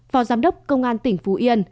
phò giám đốc công an tỉnh phú yên